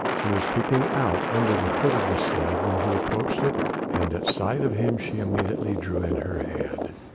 She was peeping out under the hood of the sledge when he approached it, and at sight of him she immediately drew in her head.